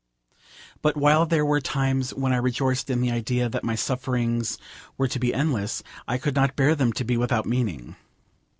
But while there were times when I rejoiced in the idea that my sufferings were to be endless, I could not bear them to be without meaning.